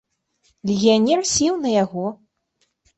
Легіянер сеў на яго.